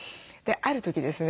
ある時ですね